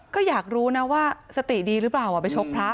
ก็อยากรู้นะว่าสติดีหรือเปล่าไปชกพระ